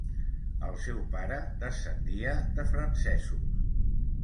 El seu pare descendia de francesos.